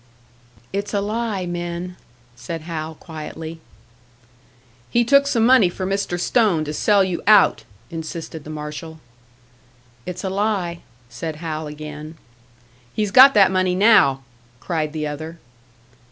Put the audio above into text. "It's a lie, men," said Hal, quietly. "He took some money from Mr. Stone to sell you out!" insisted the marshal. "It's a lie," said Hal, again. "He's got that money now!" cried the other.